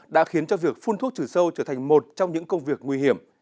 đã khiến cho việc phun thuốc trừ sâu trở thành một trong những công việc nguy hiểm